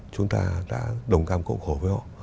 chúng ta đã đồng cam cộng khổ với họ